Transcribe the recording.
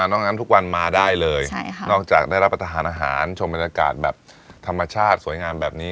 นอกนั้นทุกวันมาได้เลยนอกจากได้รับประทานอาหารชมบรรยากาศแบบธรรมชาติสวยงามแบบนี้